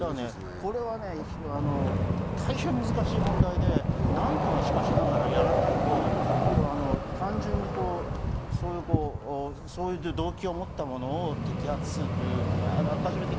これは大変難しい問題で、何とかしながらやらないと単純に動機を持った者を摘発するという。